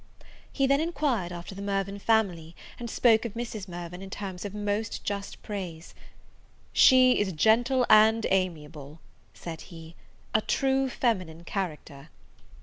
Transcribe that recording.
He then enquired after the Mirvan family, and spoke of Mrs. Mirvan in terms of most just praise. "She is gentle and amiable," said he, "a true feminine character."